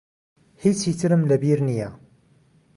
هیچی ترم لە بیر نییە.